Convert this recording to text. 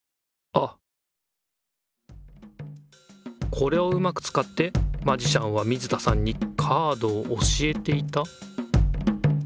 これをうまくつかってマジシャンは水田さんにカードを教えていた？